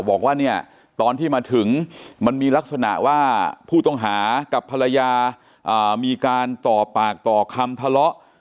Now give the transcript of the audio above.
บอกว่าเนี่ยตอนที่มาถึงมันมีลักษณะว่าผู้ต้องหากับภรรยามีการต่อปากต่อคำทะเลาะ